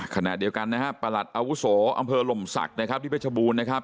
คณะเดียวกันนะปรรัฐอาวุโศรอำเพลินลมศักรณ์นะครับตีเปชบูรณ์นะครับ